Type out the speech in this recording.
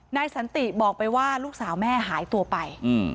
สันติบอกไปว่าลูกสาวแม่หายตัวไป